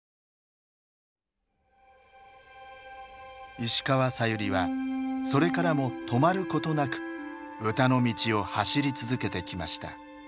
石川さゆりはそれからも止まることなく歌の道を走り続けてきました。